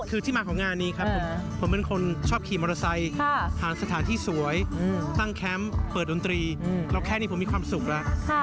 คือที่มาของงานนี้ครับผมเป็นคนชอบขี่มอเตอร์ไซค์ผ่านสถานที่สวยตั้งแคมป์เปิดดนตรีเราแค่นี้ผมมีความสุขแล้ว